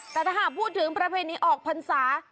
แต่ถ้าหากพูดถึงประเภทนี้ออกภัณฑ์ศาสตร์